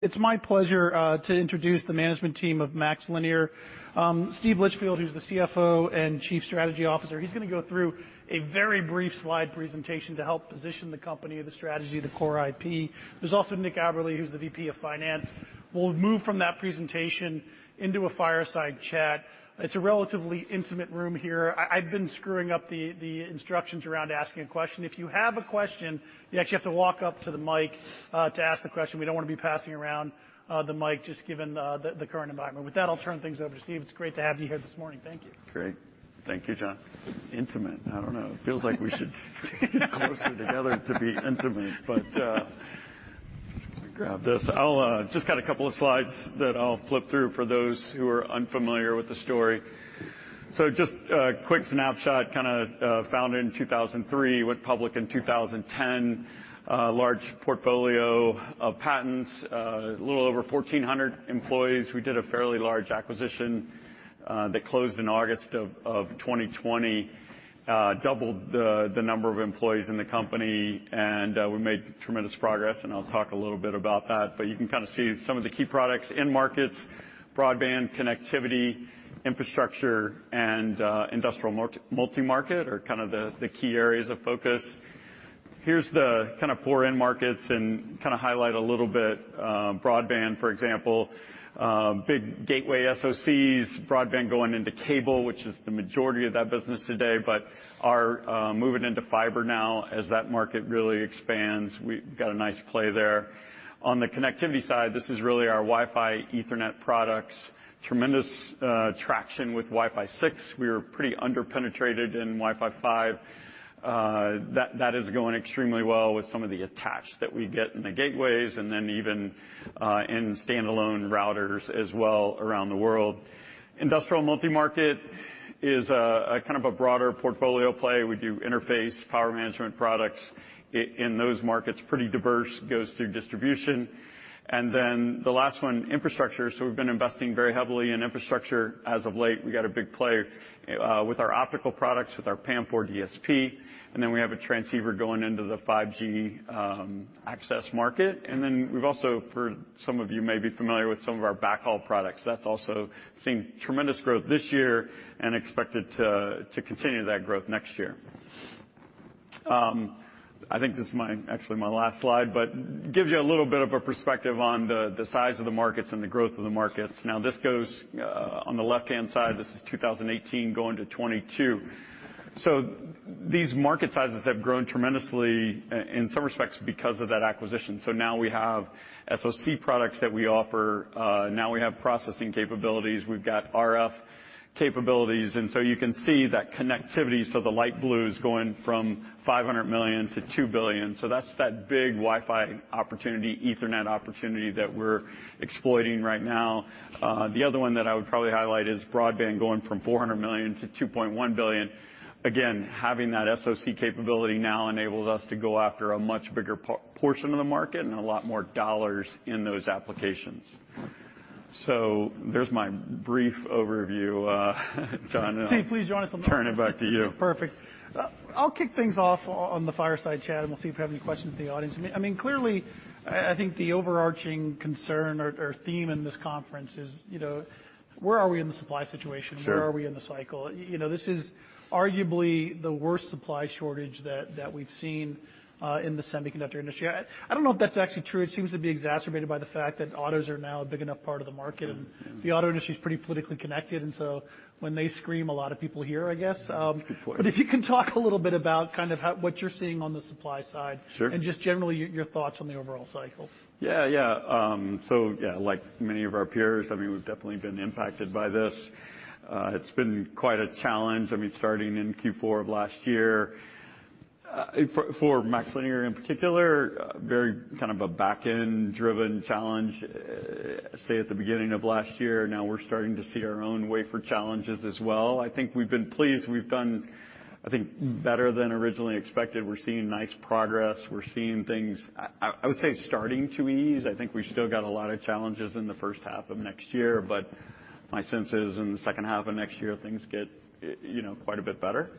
It's my pleasure to introduce the management team of MaxLinear. Steven Litchfield, who's the CFO and Chief Strategy Officer, he's gonna go through a very brief slide presentation to help position the company, the strategy, the core IP. There's also Nicholas Aberle, who's the VP of Finance. We'll move from that presentation into a fireside chat. It's a relatively intimate room here. I've been screwing up the instructions around asking a question. If you have a question, you actually have to walk up to the mic to ask the question. We don't wanna be passing around the mic, just given the current environment. With that, I'll turn things over to Steven. It's great to have you here this morning. Thank you. Great. Thank you, John. Intimate. I don't know. It feels like we should get closer together to be intimate. Let me grab this. I've just got a couple of slides that I'll flip through for those who are unfamiliar with the story. Just a quick snapshot, kinda founded in 2003, went public in 2010. Large portfolio of patents, a little over 1,400 employees. We did a fairly large acquisition that closed in August of 2020. Doubled the number of employees in the company, and we made tremendous progress, and I'll talk a little bit about that. You can kind of see some of the key products. End markets, broadband, connectivity, infrastructure, and industrial multimarket are kind of the key areas of focus. Here's kind of our four end markets and kind of highlight a little bit, broadband, for example. Big gateway SoCs, broadband going into cable, which is the majority of that business today. We're moving into fiber now as that market really expands. We've got a nice play there. On the connectivity side, this is really our Wi-Fi, Ethernet products. Tremendous traction with Wi-Fi 6. We were pretty under-penetrated in Wi-Fi 5. That is going extremely well with some of the attached that we get in the gateways, and then even in standalone routers as well around the world. Industrial multimarket is a kind of a broader portfolio play. We do interface, power management products in those markets. Pretty diverse. Goes through distribution. Then the last one, infrastructure. We've been investing very heavily in infrastructure as of late. We got a big play with our optical products, with our PAM4 DSP, and then we have a transceiver going into the 5G access market. We've also, for some of you may be familiar with some of our backhaul products. That's also seen tremendous growth this year and expected to continue that growth next year. I think this is actually my last slide, but gives you a little bit of a perspective on the size of the markets and the growth of the markets. Now, this goes on the left-hand side, this is 2018 going to 2022. These market sizes have grown tremendously in some respects because of that acquisition. Now we have SoC products that we offer. Now we have processing capabilities. We've got RF capabilities. You can see that connectivity, so the light blue is going from $500 million to $2 billion. That's that big Wi-Fi opportunity, Ethernet opportunity that we're exploiting right now. The other one that I would probably highlight is broadband going from $400 million to $2.1 billion. Again, having that SoC capability now enables us to go after a much bigger portion of the market and a lot more dollars in those applications. There's my brief overview. John Steven, please join us on the I'll turn it back to you. Perfect. I'll kick things off on the fireside chat, and we'll see if we have any questions from the audience. I mean, clearly, I think the overarching concern or theme in this conference is, you know, where are we in the supply situation? Sure. Where are we in the cycle? You know, this is arguably the worst supply shortage that we've seen in the semiconductor industry. I don't know if that's actually true. It seems to be exacerbated by the fact that autos are now a big enough part of the market. Mm-hmm. The auto industry is pretty politically connected, and so when they scream, a lot of people hear, I guess. That's a good point. If you can talk a little bit about kind of how what you're seeing on the supply side? Sure. Just generally, your thoughts on the overall cycle? Like many of our peers, I mean, we've definitely been impacted by this. It's been quite a challenge, I mean, starting in Q4 of last year. For MaxLinear in particular, very kind of a back-end driven challenge, say at the beginning of last year. Now we're starting to see our own wafer challenges as well. I think we've been pleased. We've done, I think, better than originally expected. We're seeing nice progress. We're seeing things, I would say, starting to ease. I think we still got a lot of challenges in the first half of next year, but my sense is in the second half of next year, things get, you know, quite a bit better.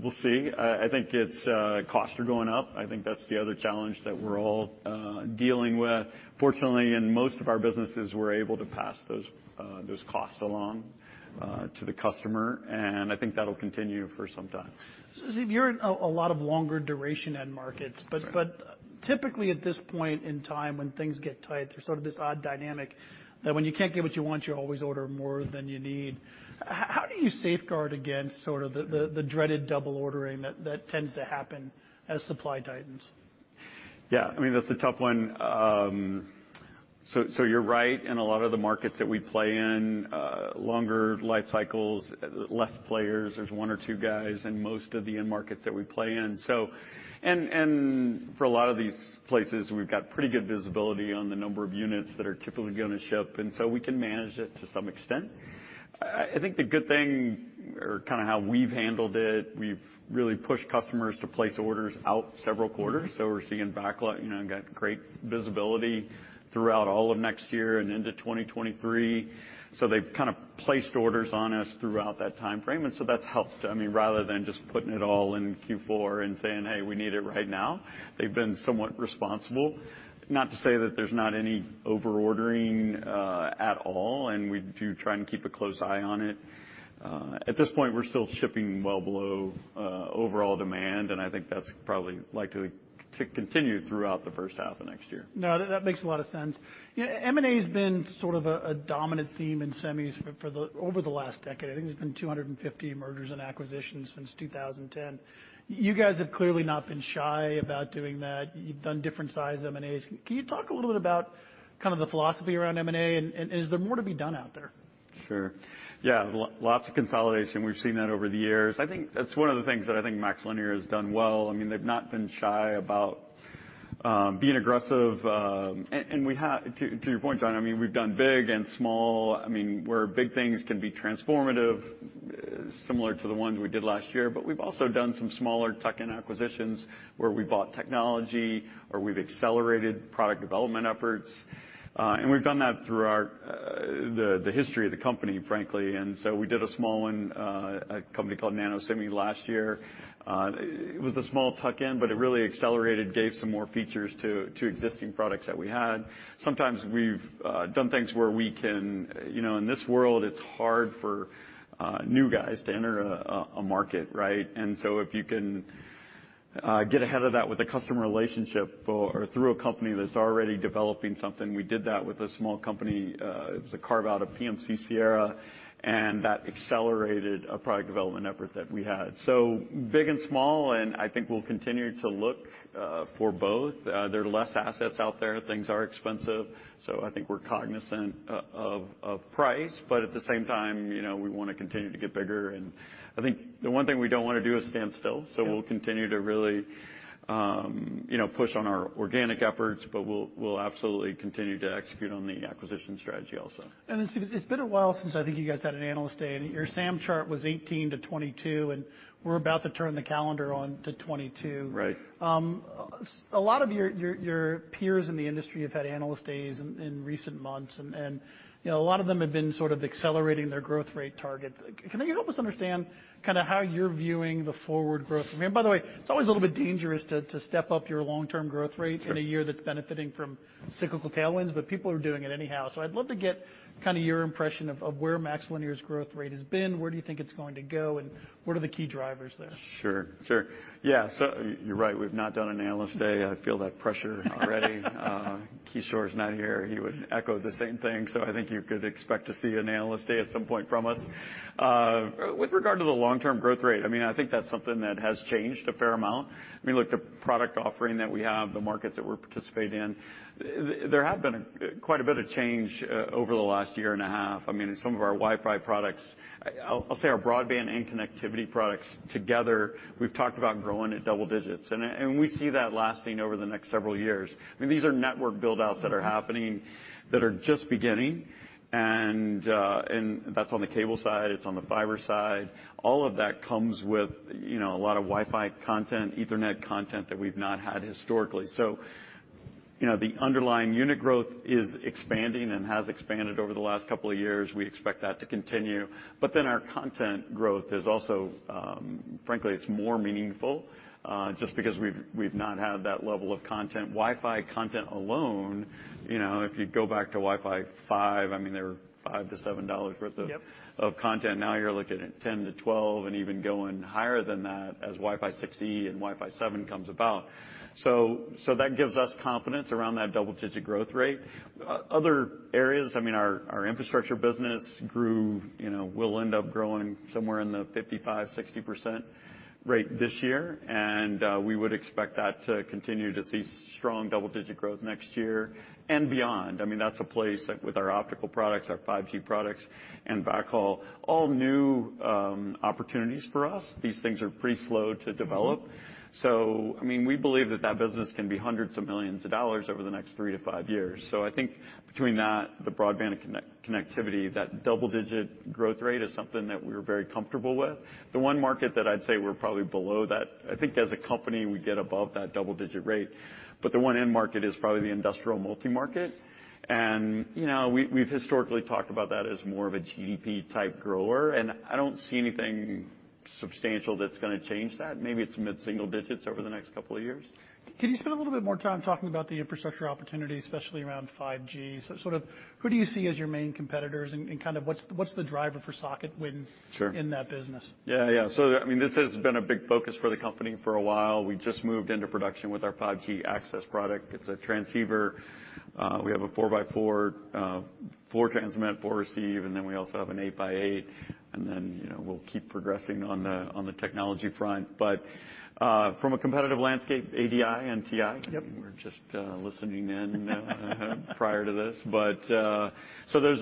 We'll see. I think costs are going up. I think that's the other challenge that we're all dealing with. Fortunately, in most of our businesses, we're able to pass those costs along to the customer, and I think that'll continue for some time. Steven, you're in a lot of longer duration end markets. Right. Typically at this point in time when things get tight, there's sort of this odd dynamic that when you can't get what you want, you always order more than you need. How do you safeguard against sort of the dreaded double ordering that tends to happen as supply tightens? Yeah, I mean, that's a tough one. You're right, in a lot of the markets that we play in, longer life cycles, less players. There's one or two guys in most of the end markets that we play in, and for a lot of these places, we've got pretty good visibility on the number of units that are typically gonna ship, and so we can manage it to some extent. I think the good thing or kinda how we've handled it, we've really pushed customers to place orders out several quarters. We're seeing backlog, you know, and got great visibility throughout all of next year and into 2023. They've kind of placed orders on us throughout that timeframe, and so that's helped. I mean, rather than just putting it all in Q4 and saying, "Hey, we need it right now," they've been somewhat responsible. Not to say that there's not any over-ordering at all, and we do try and keep a close eye on it. At this point, we're still shipping well below overall demand, and I think that's probably likely to continue throughout the first half of next year. No, that makes a lot of sense. You know, M&A's been sort of a dominant theme in semis for over the last decade. I think there's been 250 mergers and acquisitions since 2010. You guys have clearly not been shy about doing that. You've done different size M&As. Can you talk a little bit about kind of the philosophy around M&A? Is there more to be done out there? Sure. Yeah. Lots of consolidation. We've seen that over the years. I think that's one of the things that I think MaxLinear has done well. I mean, they've not been shy about being aggressive, and we have. To your point, John, I mean, we've done big and small. I mean, where big things can be transformative, similar to the ones we did last year. We've also done some smaller tuck-in acquisitions, where we bought technology, or we've accelerated product development efforts. And we've done that throughout the history of the company, frankly. We did a small one, a company called NanoSemi last year. It was a small tuck-in, but it really accelerated, gave some more features to existing products that we had. Sometimes we've done things where we can. You know, in this world, it's hard for new guys to enter a market, right? If you can get ahead of that with a customer relationship or through a company that's already developing something, we did that with a small company, it was a carve-out of PMC-Sierra, and that accelerated a product development effort that we had. Big and small, and I think we'll continue to look for both. There are less assets out there. Things are expensive, so I think we're cognizant of price. At the same time, you know, we wanna continue to get bigger and I think the one thing we don't wanna do is stand still. Yeah. We'll continue to really, you know, push on our organic efforts, but we'll absolutely continue to execute on the acquisition strategy also. Steven, it's been a while since I think you guys had an Analyst Day, and your SAM chart was 2018-2022, and we're about to turn the calendar on to 2022. Right. A lot of your peers in the industry have had Analyst Days in recent months and, you know, a lot of them have been sort of accelerating their growth rate targets. Like, can you help us understand kinda how you're viewing the forward growth? I mean, by the way, it's always a little bit dangerous to step up your long-term growth rate. Sure... in a year that's benefiting from cyclical tailwinds, but people are doing it anyhow. I'd love to get kinda your impression of where MaxLinear's growth rate has been. Where do you think it's going to go, and what are the key drivers there? Sure. Yeah, so you're right. We've not done an Analyst Day. I feel that pressure already. Kishore's not here. He would echo the same thing. I think you could expect to see an Analyst Day at some point from us. With regard to the long-term growth rate, I mean, I think that's something that has changed a fair amount. I mean, look, the product offering that we have, the markets that we're participating in, there have been quite a bit of change over the last year and a half. I mean, some of our Wi-Fi products, I'll say our broadband and connectivity products together, we've talked about growing it double digits. We see that lasting over the next several years. I mean, these are network build-outs that are happening, that are just beginning and that's on the cable side, it's on the fiber side. All of that comes with, you know, a lot of Wi-Fi content, Ethernet content that we've not had historically. The underlying unit growth is expanding and has expanded over the last couple of years. We expect that to continue. Our content growth is also, frankly, it's more meaningful, just because we've not had that level of content. Wi-Fi content alone, you know, if you go back to Wi-Fi 5, I mean, they were $5-$7 worth of- Yep... of content. Now you're looking at 10-12 and even going higher than that as Wi-Fi 6E and Wi-Fi 7 comes about. That gives us confidence around that double-digit growth rate. Other areas, I mean, our infrastructure business grew, you know, will end up growing somewhere in the 55%-60% rate this year. We would expect that to continue to see strong double-digit growth next year and beyond. I mean, that's a place, like with our optical products, our 5G products, and backhaul, all new opportunities for us. These things are pretty slow to develop. We believe that that business can be hundreds of millions of dollars over the next three-five years. I think between that, the broadband and connectivity, that double-digit growth rate is something that we're very comfortable with. The one market that I'd say we're probably below that. I think as a company, we get above that double-digit rate, but the one end market is probably the industrial multi-market. You know, we've historically talked about that as more of a GDP type grower, and I don't see anything substantial that's gonna change that. Maybe it's mid-single digits over the next couple of years. Can you spend a little bit more time talking about the infrastructure opportunity, especially around 5G? Sort of who do you see as your main competitors and kind of what's the driver for SoC wins? Sure. in that business? Yeah. I mean, this has been a big focus for the company for a while. We just moved into production with our 5G access product. It's a transceiver. We have a 4x4, four transmit, four receive, and then we also have an 8x8, and then, you know, we'll keep progressing on the technology front. From a competitive landscape, ADI and TI. Yep. We're just listening in prior to this. Those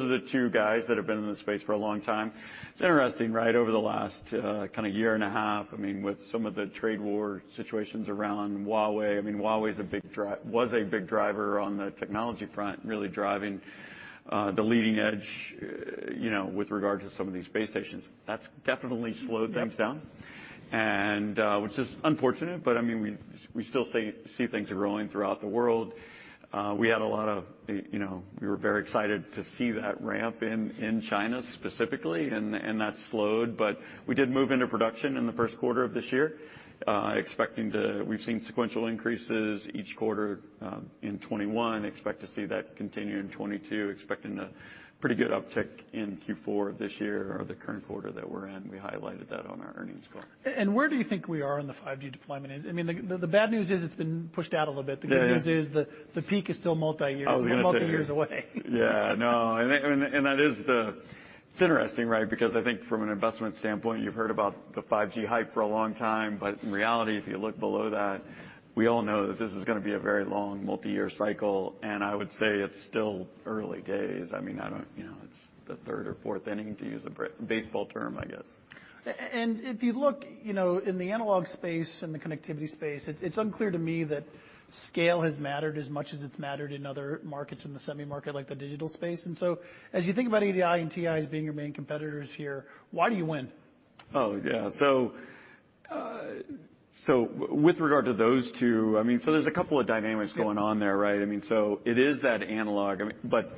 are the two guys that have been in the space for a long time. It's interesting, right? Over the last kind of year and a half, I mean, with some of the trade war situations around Huawei. I mean, Huawei's a big driver on the technology front, really driving the leading edge, you know, with regard to some of these base stations. That's definitely slowed things down, which is unfortunate, but I mean, we still see things growing throughout the world. We had a lot of, you know, we were very excited to see that ramp in China specifically, and that slowed. We did move into production in the first quarter of this year, expecting to... We've seen sequential increases each quarter in 2021. Expect to see that continue in 2022. Expecting a pretty good uptick in Q4 of this year or the current quarter that we're in. We highlighted that on our earnings call. Where do you think we are in the 5G deployment? I mean, the bad news is it's been pushed out a little bit. Yeah. The good news is the peak is still multiyear. I was gonna say. We're multiyears away. Yeah. No. That is interesting, right? Because I think from an investment standpoint, you've heard about the 5G hype for a long time. In reality, if you look below that, we all know that this is gonna be a very long multi-year cycle. I would say it's still early days. I mean, I don't, you know, it's the third or fourth inning, to use a baseball term, I guess. If you look, you know, in the analog space and the connectivity space, it's unclear to me that scale has mattered as much as it's mattered in other markets in the semi market, like the digital space. As you think about ADI and TI as being your main competitors here, why do you win? Oh, yeah. With regard to those two, I mean, there's a couple of dynamics going on there, right? I mean, it is that analog. I mean, but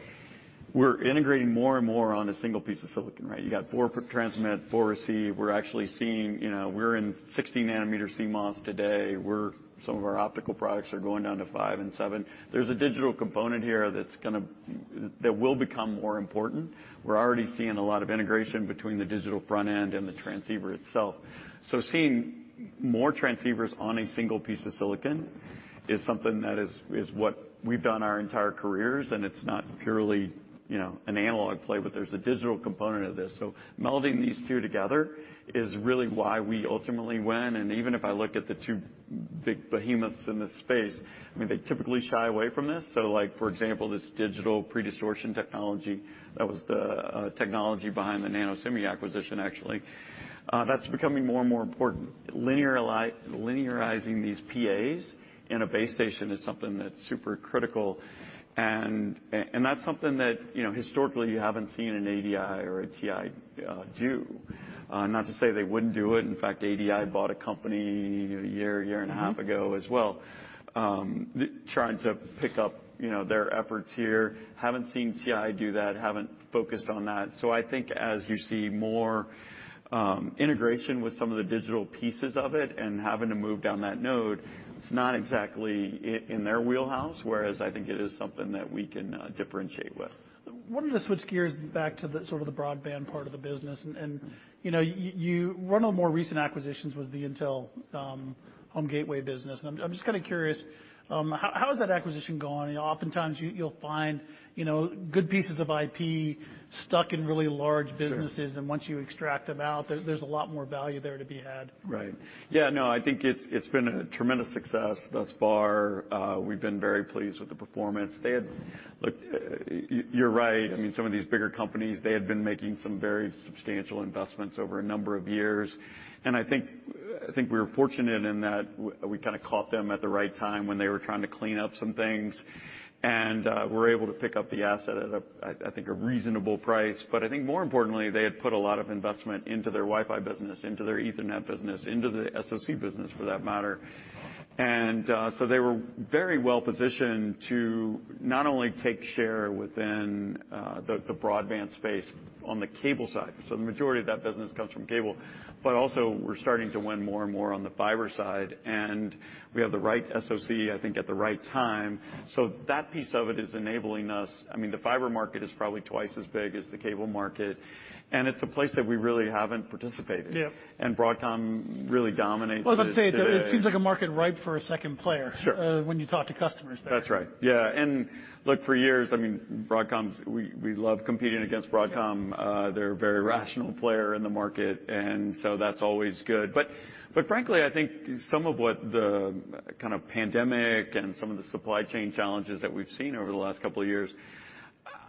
we're integrating more and more on a single piece of silicon, right? You got four transmit, four receive. We're actually seeing, you know, we're in 60nm CMOS today. Some of our optical products are going down to 5nm and 7nm. There's a digital component here that will become more important. We're already seeing a lot of integration between the digital front end and the transceiver itself. Seeing more transceivers on a single piece of silicon is something that is what we've done our entire careers, and it's not purely, you know, an analog play, but there's a digital component of this. Melding these two together is really why we ultimately win. Even if I look at the two big behemoths in this space, I mean, they typically shy away from this. So like, for example, this digital predistortion technology, that was the technology behind the NanoSemi acquisition, actually, that's becoming more and more important. Linearizing these PAs in a base station is something that's super critical and that's something that, you know, historically, you haven't seen an ADI or a TI do. Not to say they wouldn't do it. In fact, ADI bought a company a year and a half ago as well, trying to pick up, you know, their efforts here. Haven't seen TI do that, haven't focused on that. I think as you see more integration with some of the digital pieces of it and having to move down that node, it's not exactly in their wheelhouse, whereas I think it is something that we can differentiate with. Wanted to switch gears back to the sort of the broadband part of the business. One of the more recent acquisitions was the Intel Home Gateway business. I'm just kind of curious how is that acquisition going? You know, oftentimes you'll find, you know, good pieces of IP stuck in really large businesses. Sure. Once you extract them out, there's a lot more value there to be had. Right. Yeah, no, I think it's been a tremendous success thus far. We've been very pleased with the performance. Look, you're right. I mean, some of these bigger companies, they had been making some very substantial investments over a number of years. I think we were fortunate in that we kinda caught them at the right time when they were trying to clean up some things and were able to pick up the asset at a, I think, a reasonable price. I think more importantly, they had put a lot of investment into their Wi-Fi business, into their Ethernet business, into the SoC business for that matter. They were very well positioned to not only take share within the broadband space on the cable side, so the majority of that business comes from cable, but also we're starting to win more and more on the fiber side, and we have the right SoC, I think, at the right time. That piece of it is enabling us. I mean, the fiber market is probably twice as big as the cable market, and it's a place that we really haven't participated. Yep. Broadcom really dominates it today. Well, I'd say it seems like a market ripe for a second player. Sure. when you talk to customers there. That's right. Yeah. Look, for years, I mean, Broadcom—we love competing against Broadcom. They're a very rational player in the market, and so that's always good. But frankly, I think some of what the kind of pandemic and some of the supply chain challenges that we've seen over the last couple of years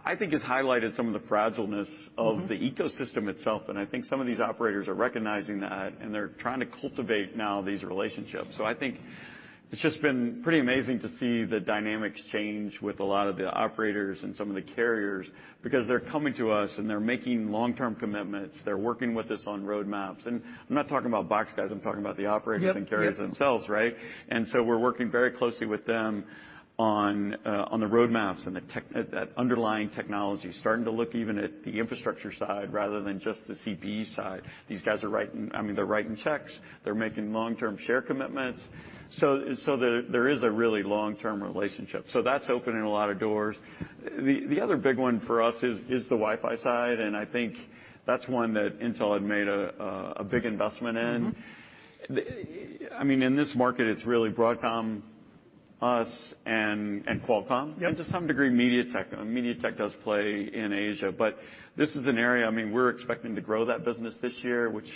has highlighted some of the fragility of the ecosystem itself. I think some of these operators are recognizing that, and they're trying to cultivate now these relationships. I think it's just been pretty amazing to see the dynamics change with a lot of the operators and some of the carriers because they're coming to us and they're making long-term commitments. They're working with us on roadmaps, and I'm not talking about box guys, I'm talking about the operators. Yep, yep. Carriers themselves, right? We're working very closely with them on the roadmaps and the underlying technology, starting to look even at the infrastructure side rather than just the CPE side. These guys are writing checks. I mean, they're writing checks, they're making long-term share commitments. There is a really long-term relationship. That's opening a lot of doors. The other big one for us is the Wi-Fi side, and I think that's one that Intel had made a big investment in. Mm-hmm. I mean, in this market, it's really Broadcom, us and Qualcomm. Yep. To some degree, MediaTek. I mean, MediaTek does play in Asia, but this is an area, I mean, we're expecting to grow that business this year, which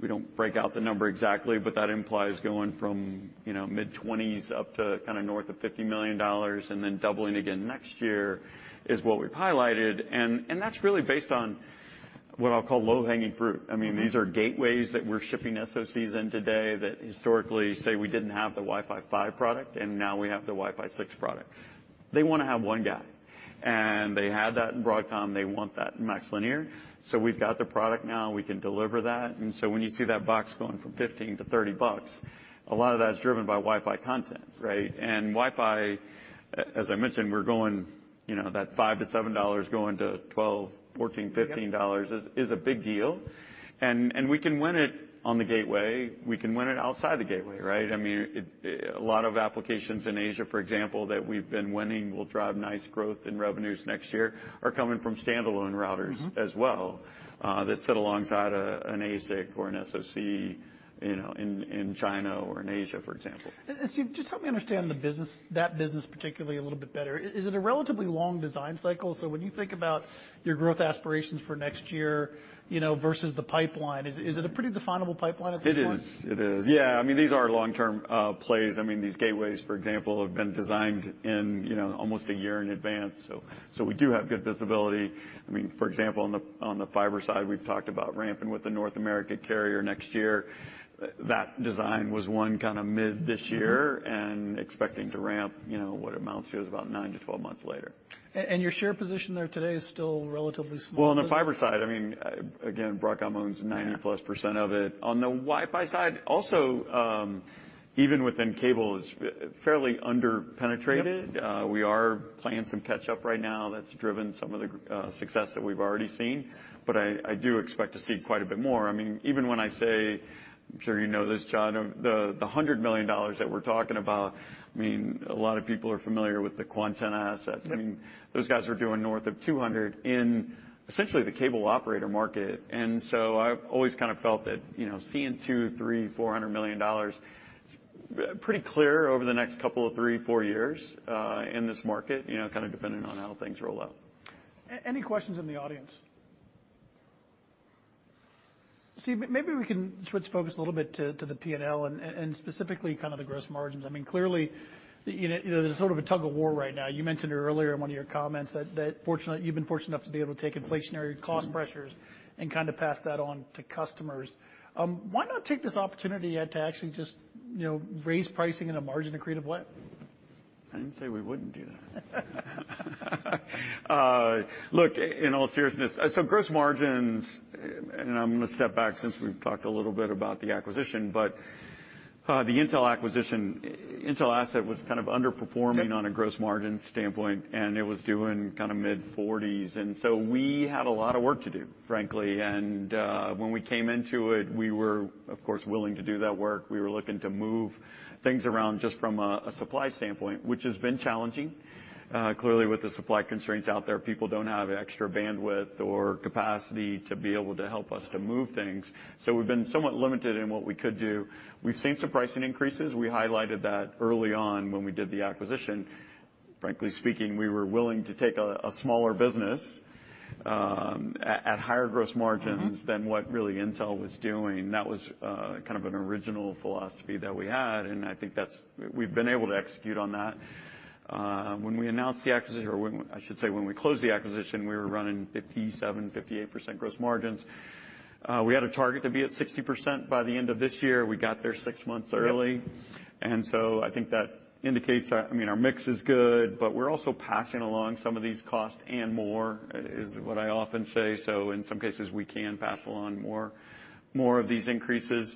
we don't break out the number exactly, but that implies going from, you know, mid-20s up to kind of north of $50 million and then doubling again next year is what we've highlighted. And that's really based on what I'll call low-hanging fruit. Mm-hmm. I mean, these are gateways that we're shipping SoCs in today that historically, say, we didn't have the Wi-Fi 5 product and now we have the Wi-Fi 6 product. They wanna have one guy. They had that in Broadcom. They want that in MaxLinear. We've got the product now, we can deliver that. When you see that box going from $15 to $30, a lot of that is driven by Wi-Fi content, right? Wi-Fi, as I mentioned, we're going, you know, that $5-$7 going to $12, $14, $15 Yep. It is a big deal. We can win it on the gateway. We can win it outside the gateway, right? I mean, a lot of applications in Asia, for example, that we've been winning will drive nice growth in revenues next year are coming from standalone routers. Mm-hmm. As well, that sit alongside an ASIC or an SoC, you know, in China or in Asia, for example. Steven, just help me understand the business, that business particularly a little bit better. Is it a relatively long design cycle? When you think about your growth aspirations for next year, you know, versus the pipeline, is it a pretty definable pipeline at this point? It is. Yeah. I mean, these are long-term plays. I mean, these gateways, for example, have been designed in, you know, almost a year in advance. So we do have good visibility. I mean, for example, on the fiber side, we've talked about ramping with the North American carrier next year. That design win was kind of mid this year. Mm-hmm. Expecting to ramp, you know, what amounts to is about nine-12 months later. Your share position there today is still relatively small. Well, on the fiber side, I mean, again, Broadcom owns 90%+ of it. On the Wi-Fi side, also, even within cable is fairly underpenetrated. Yep. We are playing some catch up right now that's driven some of the success that we've already seen, but I do expect to see quite a bit more. I mean, even when I say, I'm sure you know this, John, the $100 million that we're talking about, I mean, a lot of people are familiar with the Quantenna asset. Mm-hmm. I mean, those guys are doing north of $200 million in essentially the cable operator market. I've always kind of felt that, you know, seeing $200-$400 million pretty clear over the next couple of three, four years in this market, you know, kind of depending on how things roll out. Any questions in the audience? Steven, maybe we can switch focus a little bit to the P&L and specifically kind of the gross margins. I mean, clearly, you know, there's sort of a tug-of-war right now. You mentioned earlier in one of your comments that you've been fortunate enough to be able to take inflationary cost pressures and kind of pass that on to customers. Why not take this opportunity yet to actually just, you know, raise pricing in a margin-accretive way? I didn't say we wouldn't do that. Look, in all seriousness, so gross margins, and I'm gonna step back since we've talked a little bit about the acquisition, but the Intel acquisition, Intel asset was kind of underperforming. Yep. On a gross margin standpoint, it was doing kinda mid-40s%. We had a lot of work to do, frankly. When we came into it, we were, of course, willing to do that work. We were looking to move things around just from a supply standpoint, which has been challenging. Clearly with the supply constraints out there, people don't have extra bandwidth or capacity to be able to help us to move things. We've been somewhat limited in what we could do. We've seen some pricing increases. We highlighted that early on when we did the acquisition. Frankly speaking, we were willing to take a smaller business at higher gross margins. Mm-hmm. Than what really Intel was doing. That was kind of an original philosophy that we had, and I think we've been able to execute on that. When we announced the acquisition, or I should say when we closed the acquisition, we were running 57%-58% gross margins. We had a target to be at 60% by the end of this year. We got there six months early. Yep. I think that indicates that, I mean, our mix is good, but we're also passing along some of these costs and more, is what I often say. In some cases, we can pass along more of these increases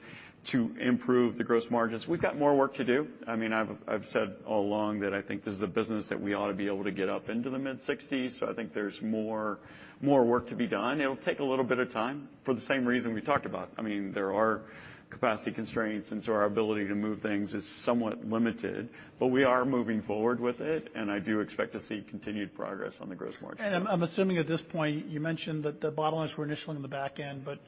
to improve the gross margins. We've got more work to do. I mean, I've said all along that I think this is a business that we ought to be able to get up into the mid-60s. I think there's more work to be done. It'll take a little bit of time for the same reason we talked about. I mean, there are capacity constraints, and our ability to move things is somewhat limited. We are moving forward with it, and I do expect to see continued progress on the gross margin. I'm assuming at this point, you mentioned that the bottlenecks were initially on the back end, but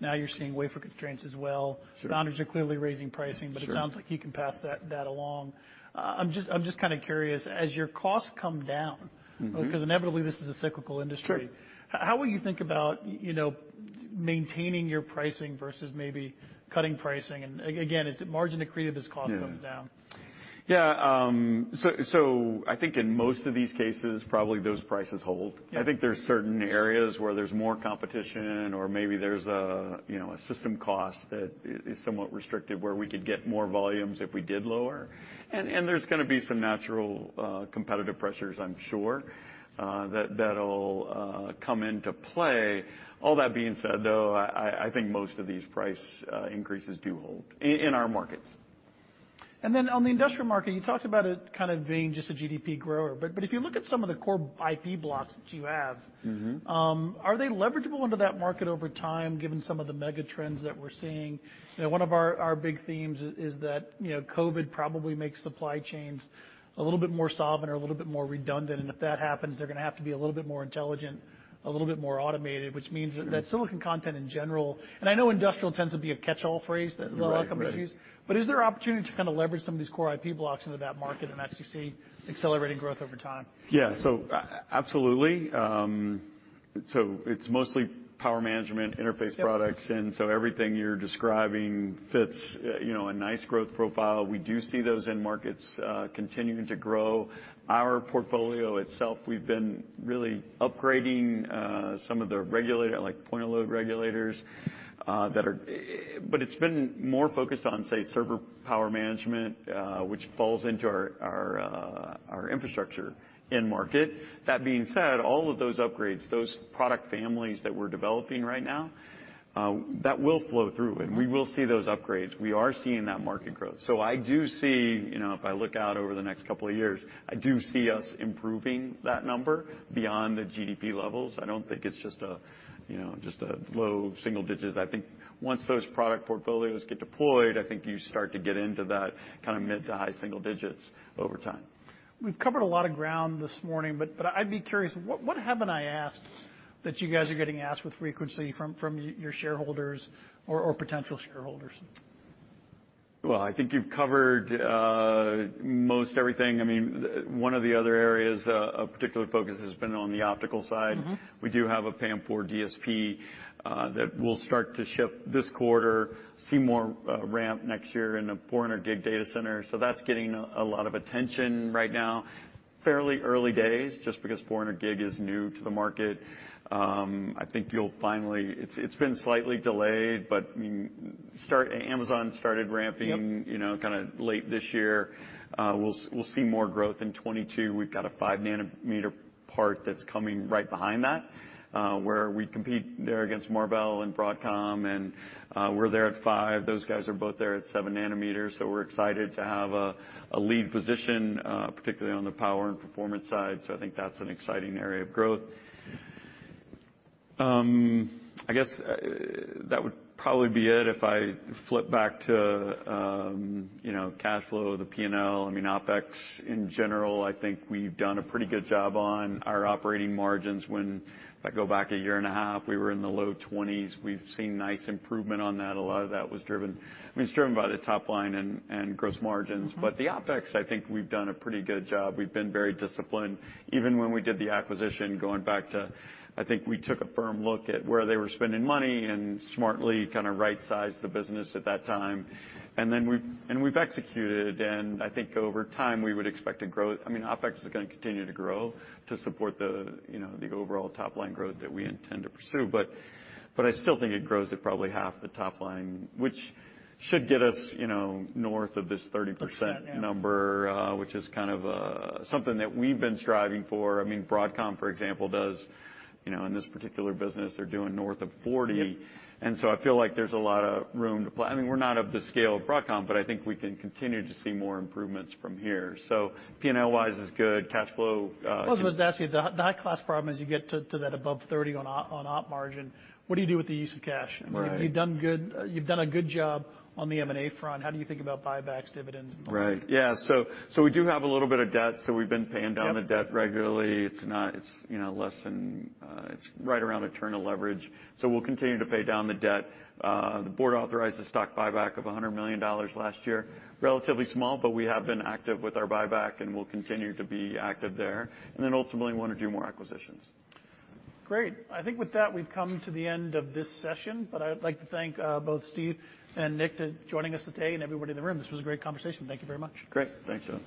now you're seeing wafer constraints as well. Sure. Foundries are clearly raising pricing. Sure. It sounds like you can pass that along. I'm just kinda curious, as your costs come down. Mm-hmm. Because inevitably this is a cyclical industry. Sure. How will you think about, you know, maintaining your pricing versus maybe cutting pricing? Again, it's margin accretive as cost comes down. I think in most of these cases, probably those prices hold. Yeah. I think there's certain areas where there's more competition or maybe there's a you know a system cost that is somewhat restrictive where we could get more volumes if we did lower. There's gonna be some natural competitive pressures I'm sure that'll come into play. All that being said though I think most of these price increases do hold in our markets. On the industrial market, you talked about it kind of being just a GDP grower. If you look at some of the core IP blocks that you have- Mm-hmm are they leverageable under that market over time given some of the mega trends that we're seeing? You know, one of our big themes is that, you know, COVID probably makes supply chains a little bit more solvent or a little bit more redundant. If that happens, they're gonna have to be a little bit more intelligent, a little bit more automated, which means- Mm-hmm that silicon content in general. I know industrial tends to be a catch-all phrase that Right. ...a lot of companies use. Is there opportunity to kind of leverage some of these core IP blocks into that market, and actually see accelerating growth over time? Yeah. Absolutely. It's mostly power management, interface products. Yep. Everything you're describing fits, you know, a nice growth profile. We do see those end markets continuing to grow. Our portfolio itself, we've been really upgrading some of the regulator, like point-of-load regulators, that are. But it's been more focused on, say, server power management, which falls into our infrastructure end market. That being said, all of those upgrades, those product families that we're developing right now, that will flow through. Mm-hmm We will see those upgrades. We are seeing that market growth. I do see, you know, if I look out over the next couple of years, I do see us improving that number beyond the GDP levels. I don't think it's just a, you know, just a low single digits. I think once those product portfolios get deployed, I think you start to get into that kind of mid to high single digits over time. We've covered a lot of ground this morning, but I'd be curious, what haven't I asked that you guys are getting asked with frequency from your shareholders or potential shareholders? Well, I think you've covered most everything. I mean, one of the other areas of particular focus has been on the optical side. Mm-hmm. We do have a PAM4 DSP that we'll start to ship this quarter. See more ramp next year in the 400G data center. That's getting a lot of attention right now. Fairly early days, just because 400G is new to the market. I think you'll finally. It's been slightly delayed, but Amazon started ramping- Yep ...you know, kinda late this year. We'll see more growth in 2022. We've got a 5 nm part that's coming right behind that, where we compete there against Marvell and Broadcom. We're there at 5 nm, those guys are both there at 7 nm. We're excited to have a lead position, particularly on the power and performance side. I think that's an exciting area of growth. I guess that would probably be it. If I flip back to, you know, cash flow, the P&L. I mean, OpEx in general, I think we've done a pretty good job on our operating margins. When I go back a year and a half, we were in the low 20s%. We've seen nice improvement on that. A lot of that was driven, I mean, it's driven by the top line and gross margins. Mm-hmm. The OpEx, I think we've done a pretty good job. We've been very disciplined. Even when we did the acquisition, going back to, I think we took a firm look at where they were spending money and smartly kinda right-sized the business at that time. We've executed, and I think over time we would expect to grow. I mean, OpEx is gonna continue to grow to support the, you know, the overall top line growth that we intend to pursue. I still think it grows at probably half the top line, which should get us, you know, north of this 30%- percent, yeah. ...number, which is kind of something that we've been striving for. I mean, Broadcom, for example, does, you know, in this particular business, they're doing north of 40%. Yep. I feel like there's a lot of room to play. I mean, we're not of the scale of Broadcom, but I think we can continue to see more improvements from here. P&L wise is good. Cash flow Well, I was gonna ask you, the high-class problem is you get to that above 30% on Op margin. What do you do with the use of cash? Right. You've done good, you've done a good job on the M&A front. How do you think about buybacks, dividends, and so on? Right. Yeah. We do have a little bit of debt, so we've been paying down the debt regularly. Yep. It's not you know less than it's right around one-turn leverage. We'll continue to pay down the debt. The board authorized a stock buyback of $100 million last year. Relatively small, but we have been active with our buyback, and we'll continue to be active there. Ultimately wanna do more acquisitions. Great. I think with that, we've come to the end of this session. I'd like to thank both Steven and Nicholas for joining us today, and everybody in the room. This was a great conversation. Thank you very much. Great. Thanks, John.